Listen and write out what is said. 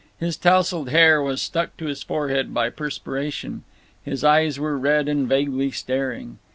His tousled hair was stuck to his forehead by perspiration; his eyes were red and vaguely staring.